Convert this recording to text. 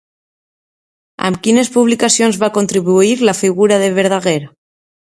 Amb quines publicacions va contribuir a la figura de Verdaguer?